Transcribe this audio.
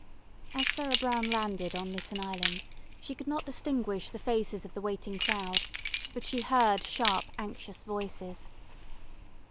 As Sarah Brown landed on Mitten Island she could not distinguish the faces of the waiting crowd, but she heard sharp anxious voices.